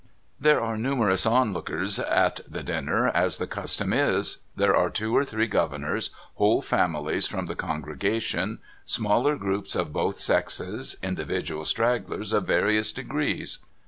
There are numerous lookers on at the dinner, as the custom is. There are two or three governors, whole families from the congre gation, smaller groups of both sexes, individual stragglers of various degrees.